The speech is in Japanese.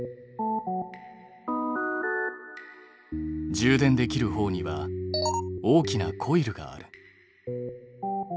充電できるほうには大きなコイルがある。